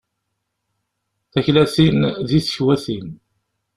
Taklatin di tekwatin.